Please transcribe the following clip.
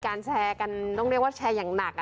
แชร์กันต้องเรียกว่าแชร์อย่างหนัก